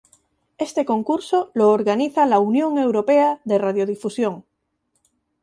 Este concurso lo organiza la Unión Europea de Radiodifusión.